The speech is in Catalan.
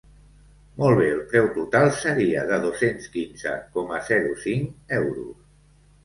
Molt bé, el preu total seria de dos-cents quinze coma zero cinc euros.